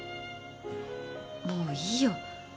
もういいよ。